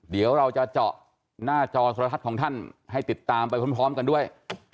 เดี๋ยวเราจะเจาะหน้าจอโทรทัศน์ของท่านให้ติดตามไปพร้อมกันด้วย